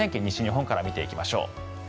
西日本から見ていきましょう。